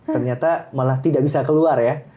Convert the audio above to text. ternyata malah tidak bisa keluar ya